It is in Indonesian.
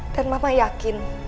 dan mama yakin